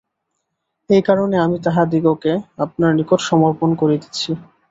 এই কারণে আমি তাহাদিগকে আপনার নিকট সমর্পণ করিতেছি।